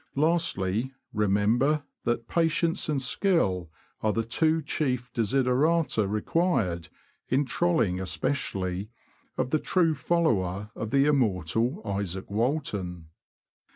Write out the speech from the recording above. Lastly, remember that patience and skill are the two chief desiderata required (in trolling especially) of the true follower of the immortal Izaak Walton.